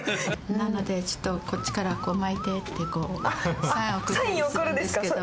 なので、ちょっとこっちから巻いてって、こう、サイン送るんですけれども。